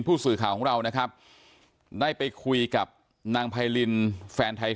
ผู้สื่อข่าวของเรานะครับได้ไปคุยกับนางไพรินแฟนไทย